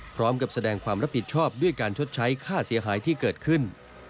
พร้อมกับแสดงความรับผิดชอบด้วยการชดใช้ค่าเสียหายที่เกิดขึ้น